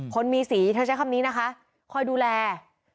คนมีสีเธอใช้คำนี้นะคะคอยดูแล